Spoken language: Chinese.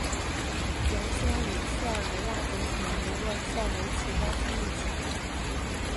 原先与塞尔维亚总统米洛塞维奇关系密切。